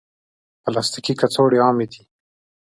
پلاستيکي کڅوړې عامې دي.